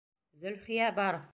Зөлхиә, бар!